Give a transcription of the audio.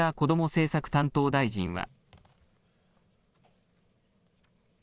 政策担当大臣は。